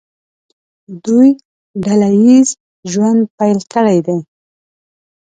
دوی ډله ییز ژوند پیل کړی دی.